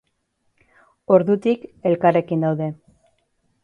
Ordutik, elkarrekin daude.